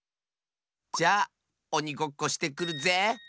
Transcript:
じゃおにごっこしてくるぜ！